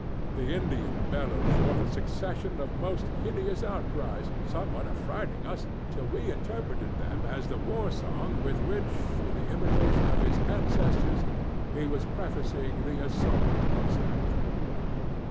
The Indian bellowed forth a succession of most hideous outcries, somewhat affrighting us till we interpreted them as the war song with which, in imitation of his ancestors, he was prefacing the assault on Stamford.